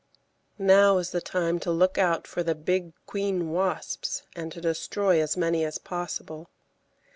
Now is the time to look out for the big queen wasps and to destroy as many as possible.